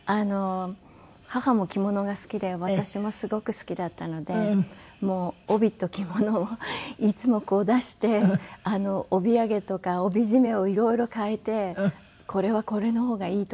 母も着物が好きで私もすごく好きだったので帯と着物をいつも出して帯揚げとか帯締めをいろいろ替えてこれはこれの方がいいとか。